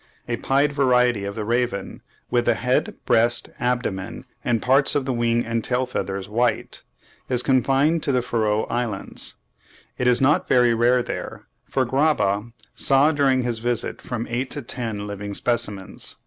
A pied variety of the raven, with the head, breast, abdomen, and parts of the wings and tail feathers white, is confined to the Feroe Islands. It is not very rare there, for Graba saw during his visit from eight to ten living specimens.